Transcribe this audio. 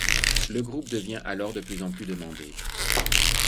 Le groupe devient alors de plus en plus demandé.